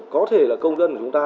có thể là công dân của chúng ta